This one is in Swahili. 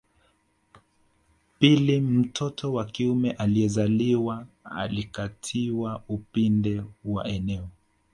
Pili mtoto wa kiume aliyezaliwa alikatiwa upinde wa eneo